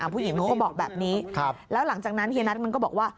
ผู้หญิงเขาก็บอกแบบนี้แล้วหลังจากนั้นเฮียนัทมันก็บอกว่า